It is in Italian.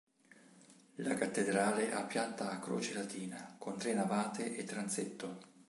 La cattedrale ha pianta a croce latina, con tre navate e transetto.